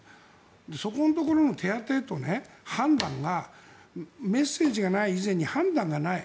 そこのところの手当てと判断がメッセージがない以前に判断がない。